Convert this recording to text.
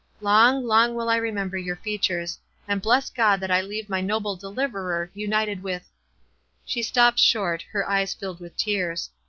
Long, long will I remember your features, and bless God that I leave my noble deliverer united with—" She stopped short—her eyes filled with tears.